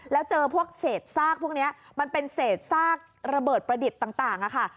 แล้วเจอพวกเศษซากพวกนี้มันเป็นเศษซากระเบิดประดิษฐ์ต่างค่ะ